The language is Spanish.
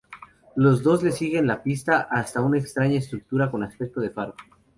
Los dos le siguen la pista hasta una extraña estructura con aspecto de faro.